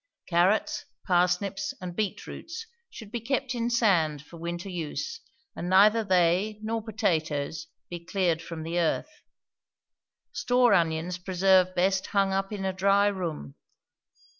Carrots, parsnips, and beet roots should be kept in sand for winter use, and neither they nor potatoes be cleared from the earth. Store onions preserve best hung up in a dry room.